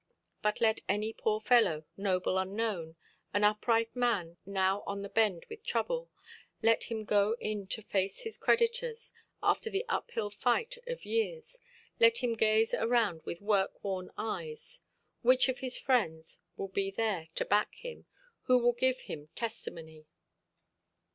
But let any poor fellow, noble unknown, an upright man now on the bend with trouble, let him go in to face his creditors, after the uphill fight of years, let him gaze around with work–worn eyes—which of his friends will be there to back him, who will give him testimony?